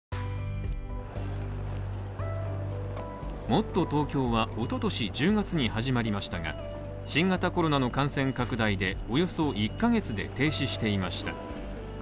もっとＴｏｋｙｏは、一昨年１０月に始まりましたが、新型コロナの感染拡大で、およそ１ヶ月で停止していました。